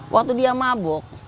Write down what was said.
waktu dia mabok